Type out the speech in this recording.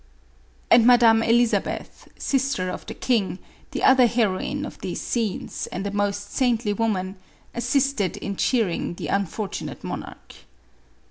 And Madame Eliza beth, sister of the king, the other heroine of these scenes and a most saintly woman, assisted in cheering the unfortunate monarch.